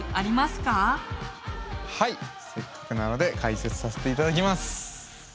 せっかくなので解説させて頂きます。